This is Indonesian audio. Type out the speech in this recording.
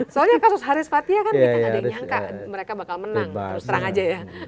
soalnya kasus haris fathia kan kita nggak ada yang nyangka mereka bakal menang terus terang aja ya